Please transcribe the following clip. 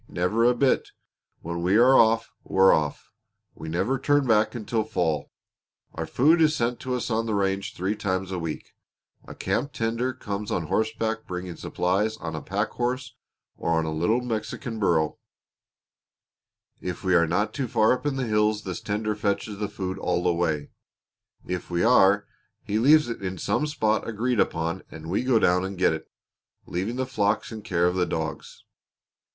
Never a bit! When we are off, we're off! We never turn back until fall. Our food is sent to us on the range three times a week. A camp tender comes on horseback bringing supplies on a packhorse or on a little Mexican burro. If we are not too far up in the hills this tender fetches the food all the way; if we are, he leaves it in some spot agreed upon and we go down and get it, leaving the flocks in care of the dogs.